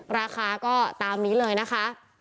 ราคาก็ตามนี้เลยนะคะ